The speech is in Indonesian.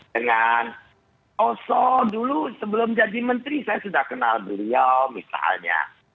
dengan oso dulu sebelum jadi menteri saya sudah kenal beliau misalnya